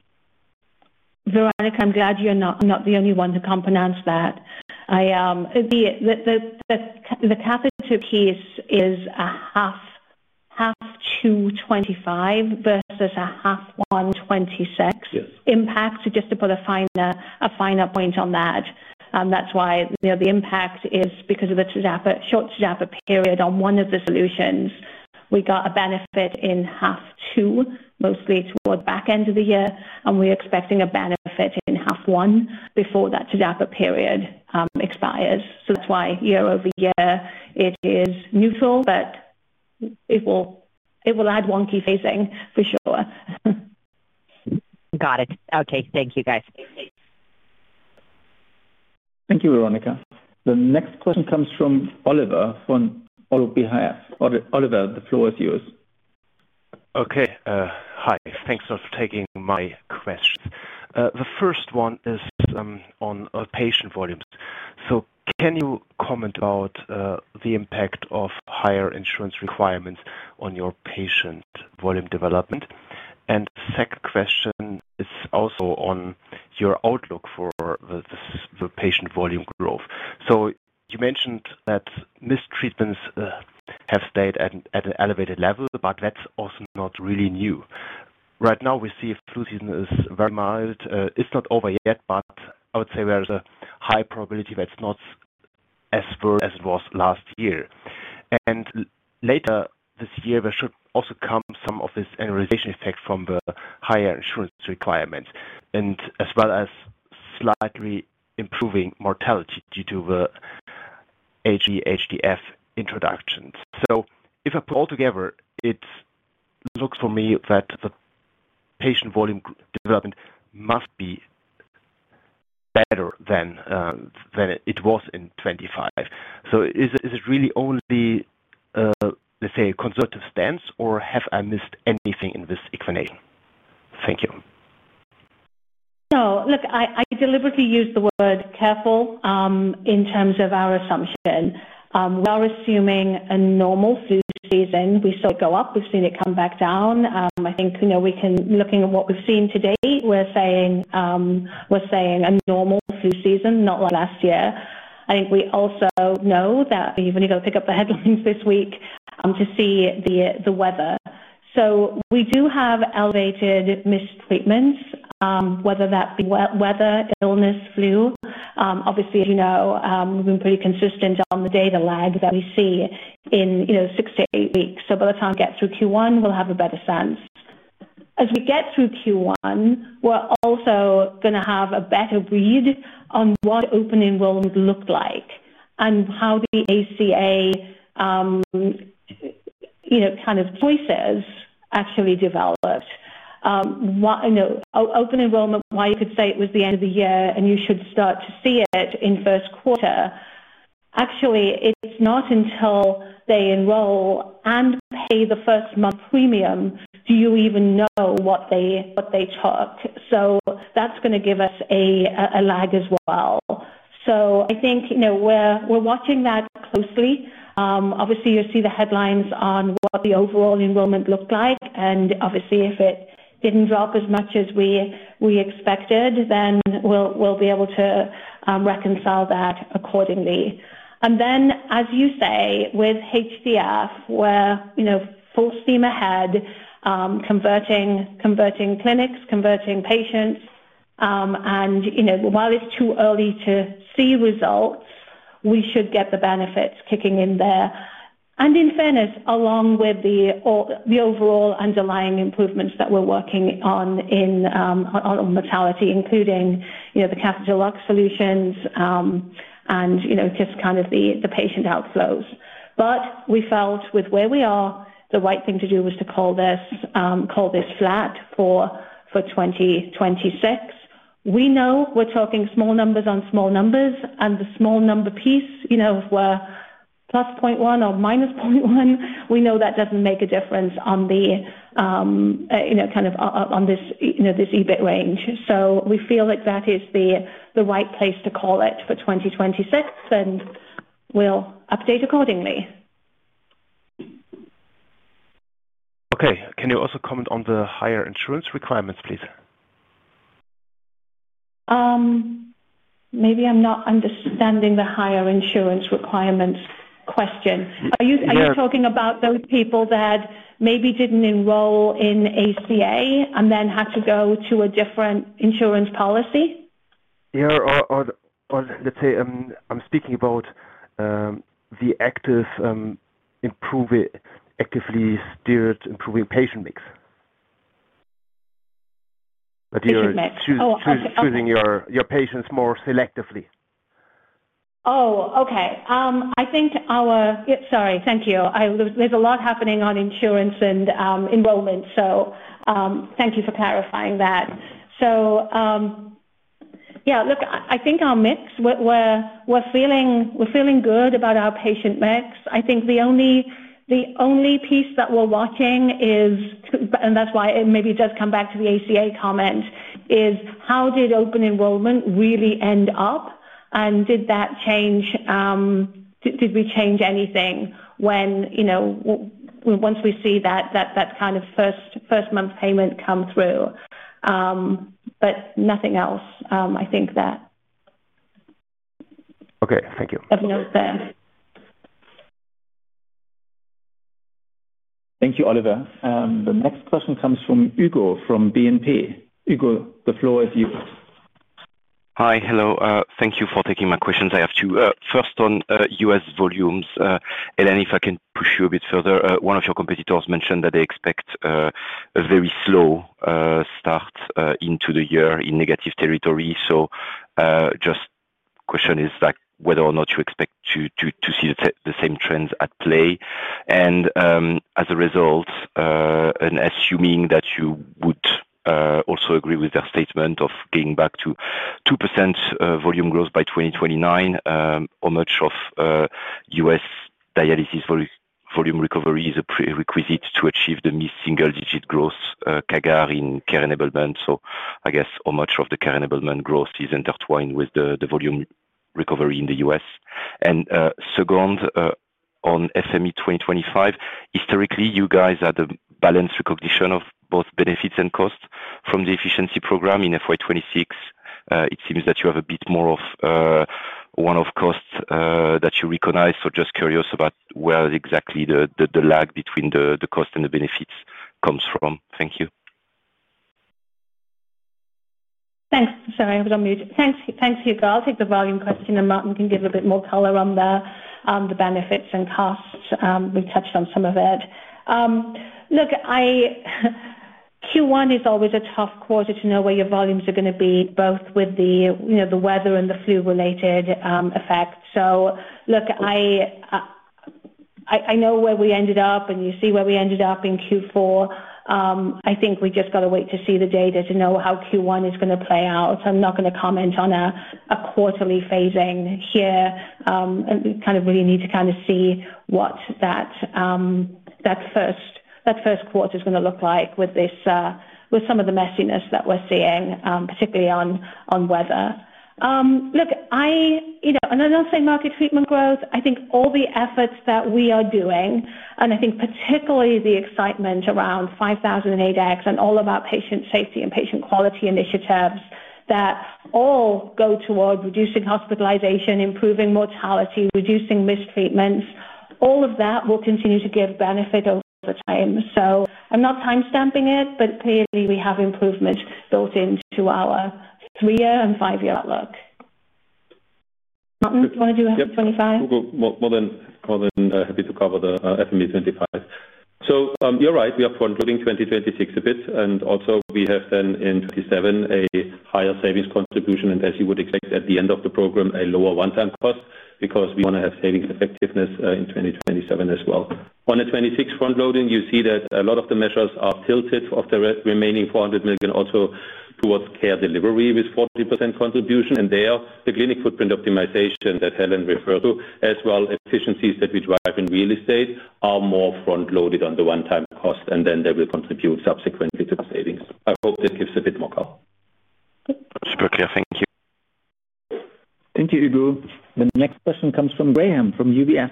Veronica, I'm glad you're not the only one who can't pronounce that. I, the catheter piece is a half 225 versus a half 126. Yes. Impact. Just to put a finer point on that's why, you know, the impact is because of the ZAPAT, short ZAPAT period on one of the solutions, we got a benefit in half two, mostly toward back-end of the year, and we're expecting a benefit in half one before that ZAPAT period expires. That's why year-over-year it is neutral, but it will add wonky phasing for sure. Got it. Okay, thank you, guys. Thank you, Veronica. The next question comes from Oliver, from OLBH. Oliver, the floor is yours. Okay, hi. Thanks for taking my questions. The first one is on patient volumes. Can you comment about the impact of higher insurance requirements on your patient volume development? Second question is also on your outlook for the patient volume growth. You mentioned that mistreatments have stayed at an elevated level, but that's also not really new. Right now we see flu season is very mild. It's not over yet, but I would say there's a high probability that it's not as bad as it was last year. Later this year, there should also come some of this annualization effect from the higher insurance requirements and as well as slightly improving mortality due to the HD, HDF introductions. If I put all together, it looks for me that the patient volume development must be better than it was in 25. Is it really only, let's say, conservative stance, or have I missed anything in this explanation? Thank you. Look, I deliberately used the word careful in terms of our assumption. We are assuming a normal flu season. We saw it go up, we've seen it come back down. I think, you know, looking at what we've seen to date, we're saying a normal flu season, not like last year. I think we also know that you've only got to pick up the headlines this week to see the weather. We do have elevated mistreatments, whether that be weather, illness, flu. Obviously, as you know, we've been pretty consistent on the data lag that we see in, you know, six to eight weeks. By the time we get through Q1, we'll have a better sense. As we get through Q1, we're also gonna have a better read on what open enrollments look like and how the ACA, you know, kind of choices actually developed. Why, you know, open enrollment, why you could say it was the end of the year, you should start to see it in first quarter. Actually, it's not until they enroll and pay the first month premium, do you even know what they took. That's gonna give us a lag as well. I think, you know, we're watching that closely. Obviously, you'll see the headlines on what the overall enrollment looked like, obviously, if it didn't drop as much as we expected, then we'll be able to reconcile that accordingly. As you say, with HCF, we're, you know, full steam ahead, converting clinics, converting patients. You know, while it's too early to see results, we should get the benefits kicking in there. In fairness, along with the overall underlying improvements that we're working on in on mortality, including, you know, the catheter lock solutions, and, you know, just kind of the patient outflows. We felt with where we are, the right thing to do was to call this flat for 2026. We know we're talking small numbers on small numbers, and the small number piece, you know, we're +0.1 or -0.1. We know that doesn't make a difference on the, you know, kind of on this, you know, this EBIT range. We feel like that is the right place to call it for 2026, and we'll update accordingly. Okay. Can you also comment on the higher insurance requirements, please? Maybe I'm not understanding the higher insurance requirements question. Yeah- Are you talking about those people that maybe didn't enroll in ACA and then had to go to a different insurance policy? Yeah, or let's say, I'm speaking about the active, actively steered, improving patient mix. Patient mix. But you're- Oh, okay. Choosing your patients more selectively. Okay. Yeah, sorry. Thank you. I, there's a lot happening on insurance and enrollment, so thank you for clarifying that. Yeah, look, I think our mix, we're feeling good about our patient mix. I think the only piece that we're watching is, and that's why it maybe does come back to the ACA comment, is how did open enrollment really end up, and did that change, did we change anything when, you know, once we see that kind of first month payment come through? Nothing else, I think that. Okay, thank you. Nothing else there. Thank you, Oliver. The next question comes from Hugo, from BNP. Hugo, the floor is yours. Hi. Hello, thank you for taking my questions. I have two. First on U.S. volumes. If I can push you a bit further, one of your competitors mentioned that they expect a very slow start into the year in negative territory. Just question is like whether or not you expect to see the same trends at play. As a result, and assuming that you would also agree with their statement of getting back to 2% volume growth by 2029, how much of U.S. dialysis volume recovery is a prerequisite to achieve the mid single digit growth CAGR in Care Enablement? I guess, how much of the Care Enablement growth is intertwined with the volume recovery in the U.S.? Second, on FME25, historically, you guys had a balanced recognition of both benefits and costs from the efficiency program. In FY 2026, it seems that you have a bit more of one-off costs that you recognize. Just curious about where exactly the lag between the cost and the benefits comes from. Thank you. Thanks. Sorry, I was on mute. Thanks, thanks, Hugo. I'll take the volume question, and Martin can give a bit more color on the benefits and costs. We've touched on some of it. Look, I, Q1 is always a tough quarter to know where your volumes are gonna be, both with the, you know, the weather and the flu-related effects. Look, I know where we ended up, and you see where we ended up in Q4. I think we just got to wait to see the data to know how Q1 is gonna play out. I'm not gonna comment on a quarterly phasing here. We kind of really need to kind of see what that first quarter is gonna look like with this, with some of the messiness that we're seeing, particularly on weather. You know, and I'll say market treatment growth, I think all the efforts that we are doing, and I think particularly the excitement around 5008X and all of our patient safety and patient quality initiatives that all go toward reducing hospitalization, improving mortality, reducing mistreatments. All of that will continue to give benefit over time. I'm not time-stamping it, but clearly we have improvements built into our three-year and five-year outlook. Martin, do you want to do 25? More than happy to cover the FME25. You're right, we are front-loading 2026 a bit, also we have then in 2027, a higher savings contribution, and as you would expect, at the end of the program, a lower one-time cost, because we want to have savings effectiveness in 2027 as well. On the 2026 front loading, you see that a lot of the measures are tilted of the remaining 400 million, also towards Care Delivery, with 40% contribution. There, the clinic footprint optimization that Helen referred to, as well as efficiencies that we drive in real estate, are more front-loaded on the one-time cost, and then they will contribute subsequently to the savings. I hope that gives a bit more cover. Super clear. Thank you. Thank you, Ubru. The next question comes from Graham, from UBS.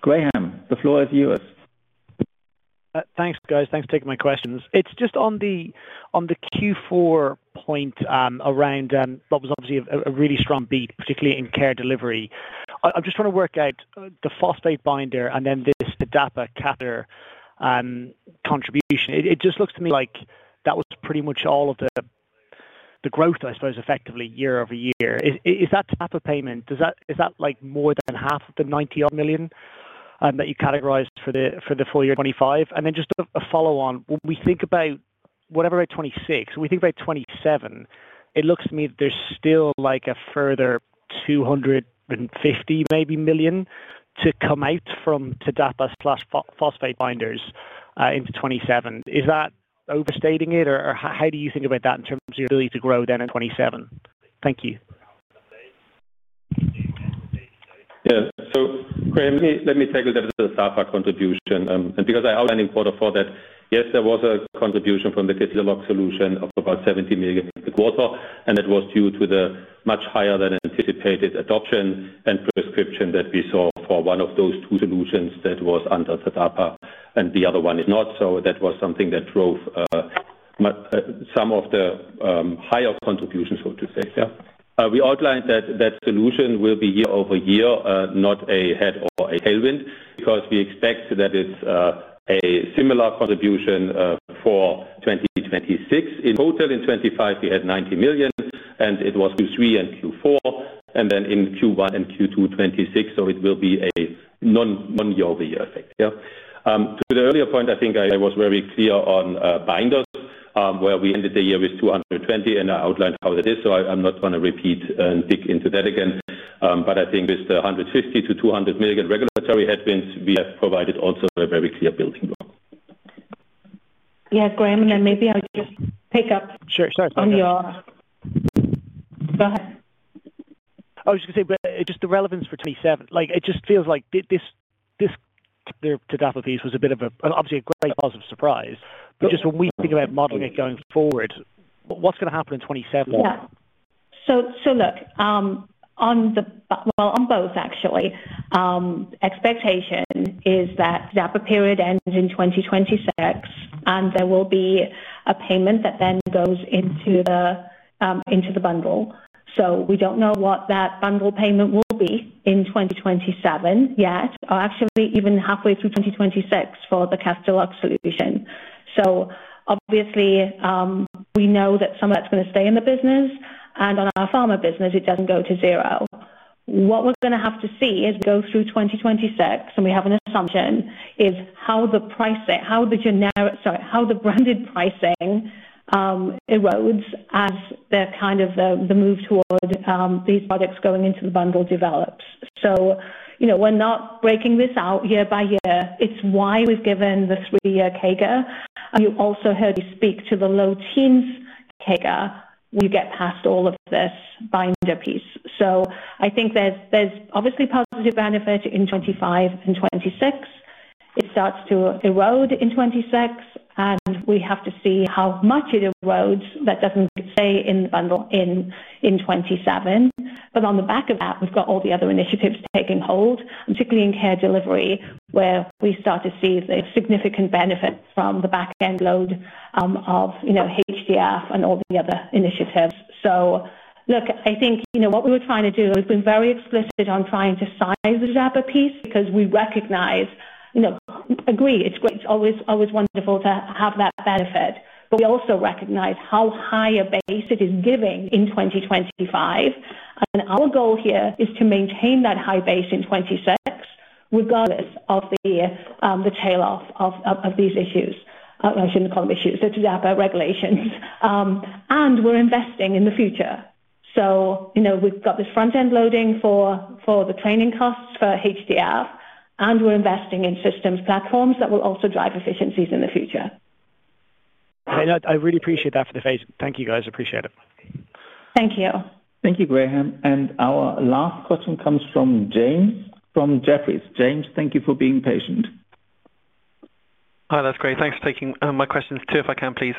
Graham, the floor is yours. Thanks, guys. Thanks for taking my questions. It's just on the Q4 point, around what was obviously a really strong beat, particularly in Care Delivery. I'm just trying to work out the phosphate binder and then this, the TDAPA catheter contribution. It just looks to me like that was pretty much all of the growth, I suppose, effectively year-over-year. Is that type of payment, is that like more than half of the 90 odd million that you categorized for the full year 2025? Just a follow on. When we think about whatever 2026, we think about 2027, it looks to me that there's still like a further 250 million to come out from TDAPA plus phosphate binders into 2027. Is that overstating it, or how do you think about that in terms of your ability to grow then in 2027? Thank you. Graham, let me take a look at the TDAPA contribution because I outlined in quarter four that, yes, there was a contribution from the Citra-Lock solution of about 70 million in the quarter, and it was due to the much higher than anticipated adoption and prescription that we saw for one of those two solutions that was under TDAPA and the other one is not. That was something that drove some of the higher contributions, so to say. We outlined that that solution will be year-over-year, not a head or a tailwind, because we expect that it's a similar contribution for 2026. In total, in 2025, we had 90 million, it was Q3 and Q4, then in Q1 and Q2 2026, it will be a non year-over-year effect. To the earlier point, I think I was very clear on binders, where we ended the year with 220, and I outlined how that is, so I'm not going to repeat and dig into that again. I think with the 150 million-200 million regulatory headwinds, we have provided also a very clear building block. Yeah, Graham, and maybe I'll just pick up Sure. Sorry. Go ahead. I was going to say, but just the relevance for 2027, like, it just feels like this TDAPA piece was a bit of a, obviously a great positive surprise, but just when we think about modeling it going forward, what's going to happen in 2027? Yeah. So look, Well, on both actually, expectation is that TDAPA period ends in 2026, there will be a payment that then goes into the bundle. We don't know what that bundle payment will be in 2027 yet, or actually even halfway through 2026 for the Citra-Lock solution. Obviously, we know that some of that's going to stay in the business, on our pharma business, it doesn't go to zero. What we're going to have to see as we go through 2026, we have an assumption, is how the pricing, how the branded pricing, erodes as the kind of the move toward these products going into the bundle develops. You know, we're not breaking this out year by year. It's why we've given the three-year CAGR. You also heard me speak to the low teens CAGR, when you get past all of this binder piece. I think there's obviously positive benefit in 2025 and 2026. It starts to erode in 2026, and we have to see how much it erodes. That doesn't stay in the bundle in 2027. On the back of that, we've got all the other initiatives taking hold, particularly in Care Delivery, where we start to see the significant benefit from the back-end load, of, you know, HDF and all the other initiatives. Look, I think, you know, what we were trying to do, and we've been very explicit on trying to size the DAPA piece because we recognize, you know, agree, it's great. It's always wonderful to have that benefit, but we also recognize how high a base it is giving in 2025. Our goal here is to maintain that high base in 2026, regardless of the tail off of these issues. I shouldn't call them issues, the TDAPA regulations. We're investing in the future. You know, we've got this front-end loading for the training costs for HDF, and we're investing in systems platforms that will also drive efficiencies in the future. I know. I really appreciate that for the phase. Thank you, guys. I appreciate it. Thank you. Thank you, Graham. Our last question comes from James, from Jefferies. James, thank you for being patient. Hi, that's great. Thanks for taking my questions too, if I can, please.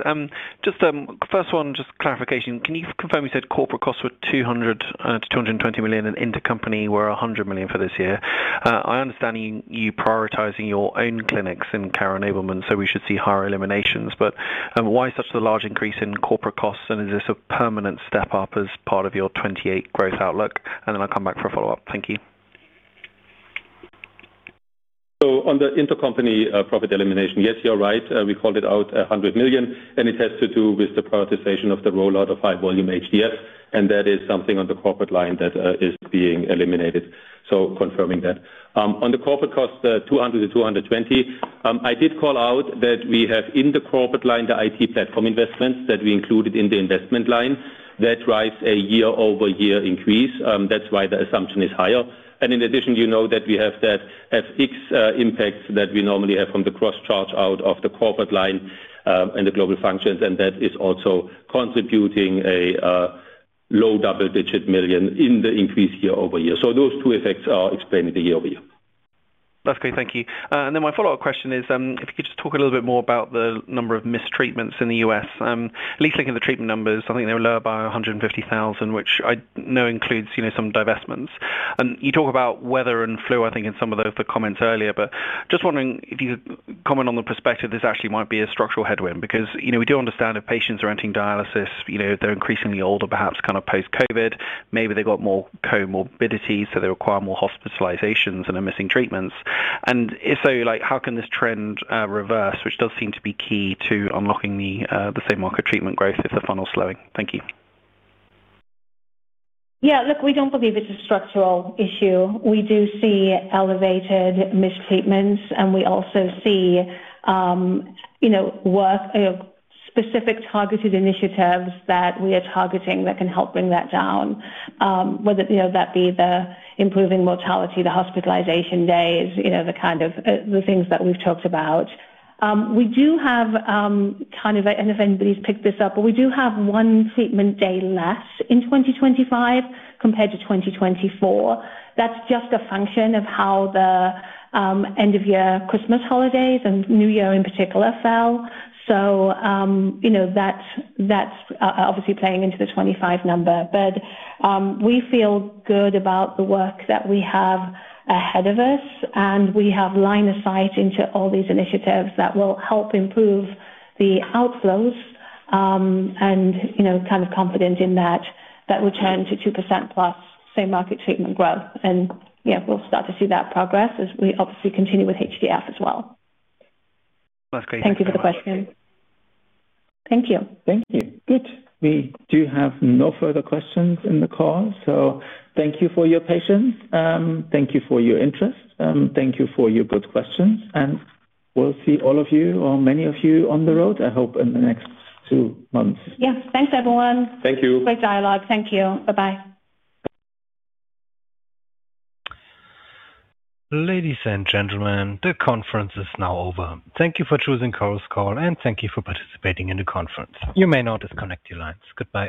First one, just clarification. Can you confirm you said corporate costs were 200 million-220 million, and intercompany were 100 million for this year? I understand you prioritizing your own clinics in Care Enablement, so we should see higher eliminations. Why such a large increase in corporate costs, and is this a permanent step up as part of your 2028 growth outlook? Then I'll come back for a follow-up. Thank you. On the intercompany profit elimination, yes, you're right. We called it out 100 million, and it has to do with the privatization of the rollout of high-volume HDF, and that is something on the corporate line that is being eliminated. Confirming that. On the corporate cost, 200-220 million, I did call out that we have in the corporate line, the IT platform investments that we included in the investment line. That drives a year-over-year increase, that's why the assumption is higher. In addition, you know that we have that FX impacts that we normally have from the cross charge out of the corporate line and the global functions, and that is also contributing a EUR low double-digit million in the increase year-over-year. Those two effects are explaining the year-over-year. That's great. Thank you. Then my follow-up question is, if you could just talk a little bit more about the number of mistreatments in the U.S. At least looking at the treatment numbers, I think they were lower by 150,000, which I know includes, you know, some divestments. You talk about weather and flu, I think, in some of the comments earlier, but just wondering if you could comment on the perspective, this actually might be a structural headwind. You know, we do understand if patients are entering dialysis, you know, they're increasingly older, perhaps kind of post-COVID. Maybe they've got more comorbidities, so they require more hospitalizations and are missing treatments. If so, like, how can this trend reverse, which does seem to be key to unlocking the same-market treatment growth if the funnel is slowing? Thank you. Yeah, look, we don't believe it's a structural issue. We do see elevated mistreatments, and we also see, you know, work, specific targeted initiatives that we are targeting that can help bring that down. Whether, you know, that be the improving mortality, the hospitalization days, you know, the kind of things that we've talked about. We do have, kind of, I don't know if anybody's picked this up, but we do have 1 treatment day less in 2025 compared to 2024. That's just a function of how the end-of-year Christmas holidays and New Year in particular fell. You know, that's, obviously playing into the 2025 number. We feel good about the work that we have ahead of us, and we have line of sight into all these initiatives that will help improve the outflows. You know, kind of confident in that return to 2%+ same-market treatment growth. Yeah, we'll start to see that progress as we obviously continue with HDF as well. That's great. Thank you for the question. Thank you. Thank you. Good. We do have no further questions in the call. Thank you for your patience. Thank you for your interest, thank you for your good questions. We'll see all of you or many of you on the road, I hope, in the next two months. Yeah. Thanks, everyone. Thank you. Great dialogue. Thank you. Bye-bye. Ladies and gentlemen, the conference is now over. Thank you for choosing Chorus Call, and thank you for participating in the conference. You may now disconnect your lines. Goodbye.